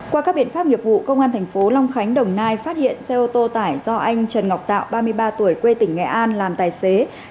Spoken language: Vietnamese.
qua các biện pháp nghiệp vụ công an thành phố long khánh đồng nai phát hiện xe ô tô tải do anh trần ngọc tạo ba mươi ba tuổi quê tỉnh nghệ an làm tài xế